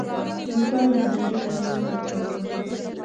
لیکوال د همدې ارمان ترجمان دی.